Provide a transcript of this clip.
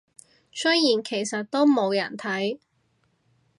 雖然其實都冇人睇